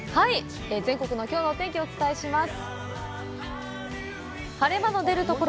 全国のきょうのお天気をお伝えします。